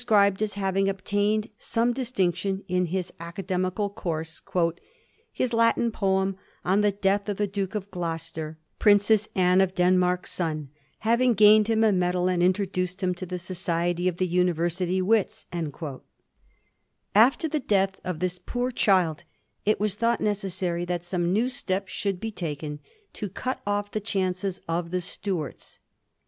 5 ficribed as having obtaiiied some distinction in his academical course, ^ his Latin poem on the ^^ Death of the Duke of Gloucester," Princess Anne of Den mark's son, having gatued him a medal and introduced him to the society of the University wits/ After the death of this poor child it was thought necessaiy that some new step should be taken to cut off the chauces of the Stuarts.